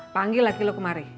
panggil laki lo kemari